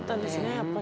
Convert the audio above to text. やっぱり。